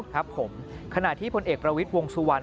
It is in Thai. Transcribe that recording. ครับผมขณะที่พลเอกประวิทย์วงสุวรรณ